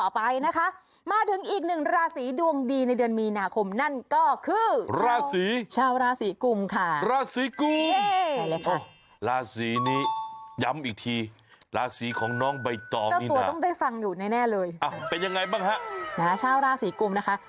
เป็นอย่างไรบ้างฮะชาวราศรีกลุ่มนะคะ